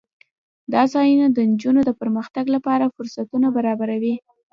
دا ځایونه د نجونو د پرمختګ لپاره فرصتونه برابروي.